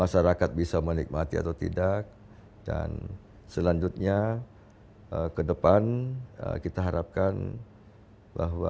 nah masyarakat bisa menikmati atau tidak dan selanjutnya ke depan kita harapkan bahwa kita bisa melakukan upaya upaya perubahan dan mensenjahter akan masyarakat di keli antara utara